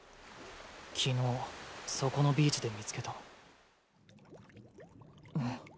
昨日そこのビーチで見つけた。